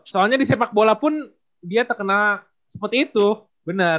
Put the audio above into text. soalnya di sepak bola pun dia terkena seperti itu benar